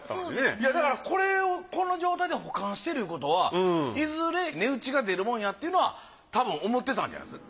いやだからこれをこの状態で保管してるいうことはいずれ値打ちが出るもんやっていうのはたぶん思ってたんじゃないですか。